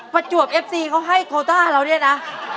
ประจวบเอฟซีเขาให้โคต้าเราเนี่ยนะ